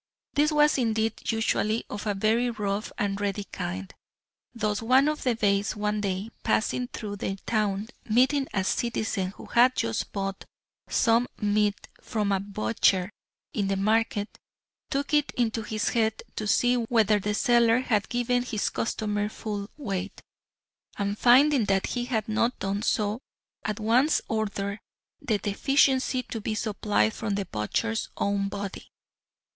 This was indeed usually of a very rough and ready kind. Thus one of the Beys one day passing through the town meeting a citizen who had just bought some meat from a butcher in the market, took it into his head to see whether the seller had given his customer full weight, and finding that he had not done so at once ordered the deficiency to be supplied from the butcher's own body.